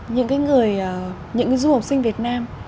những cái người những du học sinh việt nam